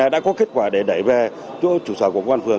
đã có kết quả để đẩy về chủ sở